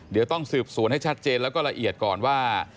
เดี๋ยวต้องสืบสวนให้ชัดเจนแล้วก็ละเอียดก่อนว่า